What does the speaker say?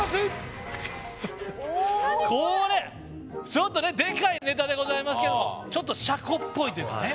ちょっとねでかいネタでございますけどもちょっとシャコっぽいというかね。